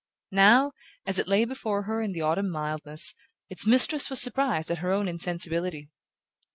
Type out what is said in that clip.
Now, as it lay before her in the autumn mildness, its mistress was surprised at her own insensibility.